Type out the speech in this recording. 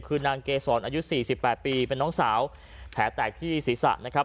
คือนางเกษรอายุ๔๘ปีเป็นน้องสาวแผลแตกที่ศีรษะนะครับ